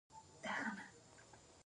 دا شل میلیونه په پخوانۍ پانګه ورزیاتېږي